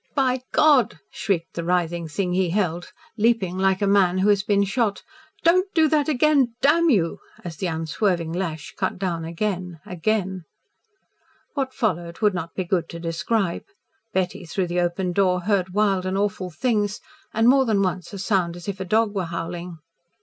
"By God!" shrieked the writhing thing he held, leaping like a man who has been shot. "Don't do that again! DAMN you!" as the unswerving lash cut down again again. What followed would not be good to describe. Betty through the open door heard wild and awful things and more than once a sound as if a dog were howling.